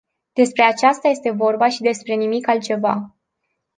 Despre aceasta este vorba și despre nimic altceva.